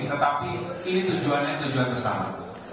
tetapi ini tujuannya tujuan bersama